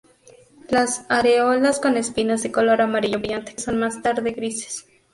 Las areolas con espinas de color amarillo brillante que son más tarde grises.